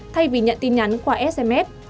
thay vì nhận tin nhắn qua sms